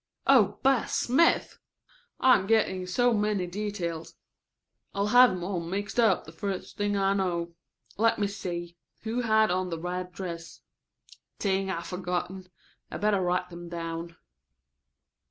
Oh, Bess Smith! I am getting so many details I'll have 'em all mixed up the first thing I know. Let me see, who had on the red dress? Ding, I've forgotten. I'd better write them down."